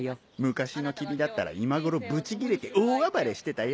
昔の君だったら今頃ブチギレて大暴れしてたよ。